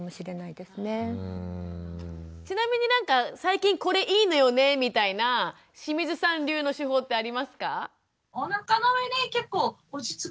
ちなみになんか最近これいいのよねみたいな清水さん流の手法ってありますか？